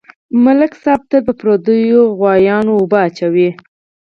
ملک صاحب تل په پردیو غویانواوبه اچوي.